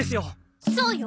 そうよ！